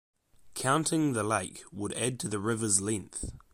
Counting the lake would add to the river's length.